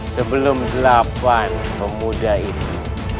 sebelum delapan pemuda itu